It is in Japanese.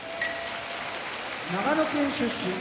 長野県出身